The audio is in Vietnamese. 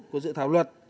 của dự thảo luật